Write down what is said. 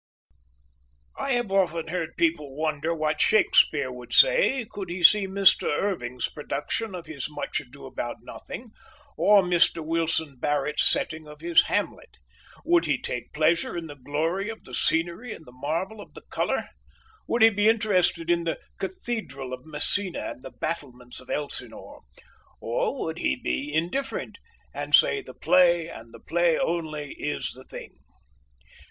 I have often heard people wonder what Shakespeare would say, could he see Mr. Irving's production of his Much Ado About Nothing, or Mr. Wilson Barrett's setting of his Hamlet. Would he take pleasure in the glory of the scenery and the marvel of the colour? Would he be interested in the Cathedral of Messina, and the battlements of Elsinore? Or would he be indifferent, and say the play, and the play only, is the thing?